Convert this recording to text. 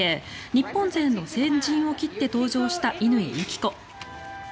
日本勢の先陣を切って登場した乾友紀子。